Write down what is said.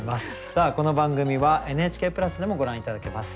さあこの番組は「ＮＨＫプラス」でもご覧頂けます。